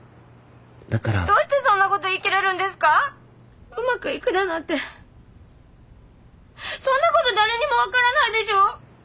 だからどうしてそんなこと言い切れるんですうまくいくだなんてそんなこと誰にも分からないでしょう！